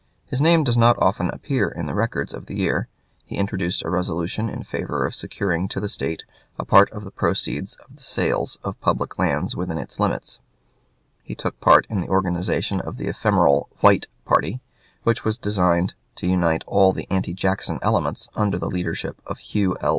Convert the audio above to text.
His name does not often appear in the records of the year. He introduced a resolution in favor of securing to the State a part of the proceeds of the sales of public lands within its limits; he took part in the organization of the ephemeral "White" party, which was designed to unite all the anti Jackson elements under the leadership of Hugh L.